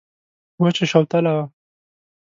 وچه شوتله وه.